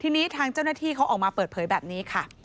ทีนี้ทางเจ้าหน้าที่เขาออกมาเปิดเผยแบบนี้ค่ะ